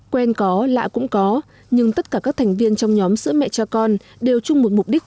quen có lạ cũng có nhưng tất cả các thành viên trong nhóm sữa mẹ cho con đều chung một mục đích